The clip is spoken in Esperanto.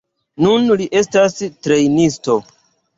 Nun li estas trejnisto.